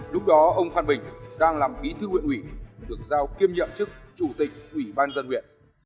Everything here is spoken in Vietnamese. lúc đó ông phan bình đang làm bí thư nguyện ủy được giao kiêm nhận trước chủ tịch ủy ban dân ủy